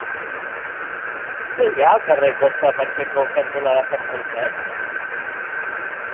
Què hi ha al carrer Costa Pacheco cantonada Sant Francesc?